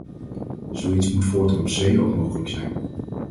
Zoiets moet voortaan op zee ook mogelijk zijn.